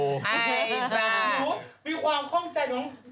หนูมีความข้องใจหนู